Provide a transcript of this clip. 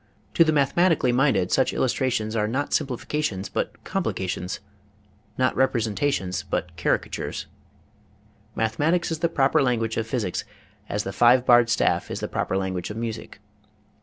To the mathematically minded such illustrations are not simplifications but complica tions, not representations but caricatures. Mathe matics is the proper language of physics as the five barred staff is the proper language of music.